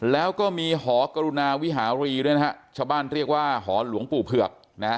แล้วก็มีหอกรุณาวิหารีด้วยนะฮะชาวบ้านเรียกว่าหอหลวงปู่เผือกนะฮะ